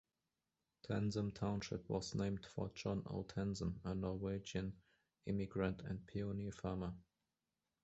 Tansem Township was named for John O. Tansem, a Norwegian immigrant and pioneer farmer.